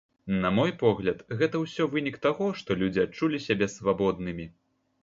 На мой погляд, гэта ўсё вынік таго, што людзі адчулі сябе свабоднымі.